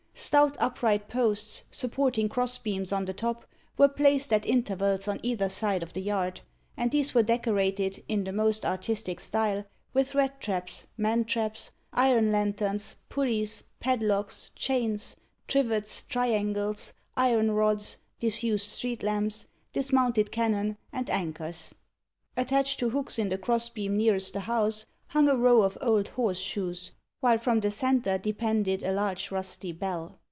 Stout upright posts, supporting cross beams on the top, were placed at intervals on either side of the yard, and these were decorated, in the most artistic style, with rat traps, man traps, iron lanterns, pulleys, padlocks, chains, trivets, triangles, iron rods, disused street lamps, dismounted cannon, and anchors. Attached to hooks in the cross beam nearest the house hung a row of old horse shoes, while from the centre depended a large rusty bell.